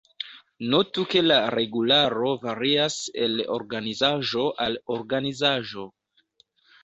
Notu ke la regularo varias el organizaĵo al organizaĵo.